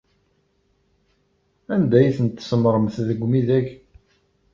Anda ay ten-tsemmṛemt deg umidag?